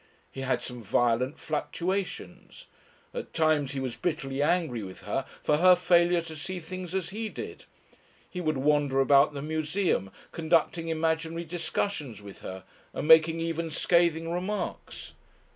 He had some violent fluctuations. At times he was bitterly angry with her for her failure to see things as he did. He would wander about the museum conducting imaginary discussions with her and making even scathing remarks.